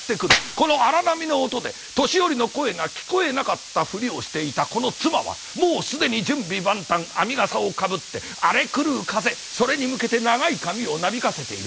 この荒波の音で年寄りの声が聞こえなかったふりをしていたこの妻はもう既に準備万端編みがさをかぶって荒れ狂う風それに向けて長い髪をなびかせている。